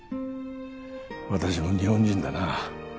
私も日本人だな